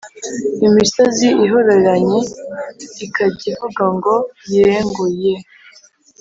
imisozi ihoreranye ikajya ivuga ngo yee ngo yee.